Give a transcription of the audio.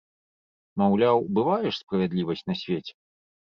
Маўляў, бывае ж справядлівасць на свеце!